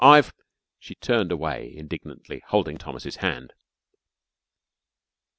I've " She turned away indignantly, holding Thomas's hand.